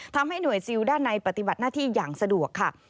ทำให้หน่วยซิลด้านในปฏิบัติหน้าที่อย่างสะดวกค่ะ